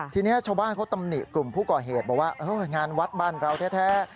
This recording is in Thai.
ทีนี้ชาวบ้านเขาตำหนิกลุ่มผู้ก่อเหตุบอกว่างานวัดบ้านเราแท้